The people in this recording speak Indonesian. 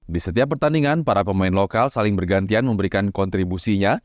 di setiap pertandingan para pemain lokal saling bergantian memberikan kontribusinya